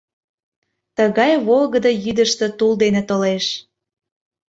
— Тыгай волгыдо йӱдыштӧ тул дене толеш».